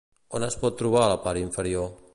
On es pot trobar la part inferior?